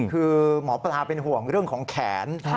คือหมอปลาเป็นห่วงเรื่องของแขน